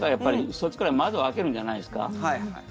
そうしたら窓を開けるんじゃないですか？